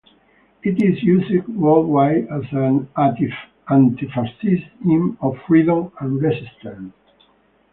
It is used worldwide as an anti-fascist hymn of freedom and resistance.